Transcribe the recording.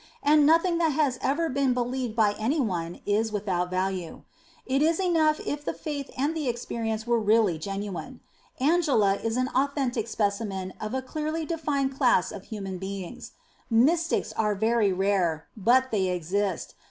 And nothing that has ever been believed by anybody is without value. It is enough if the faith and the experience were really genuine. Angela is an authentic specimen of a clearly defined class of human beings. Mystics are very rare, but they exist.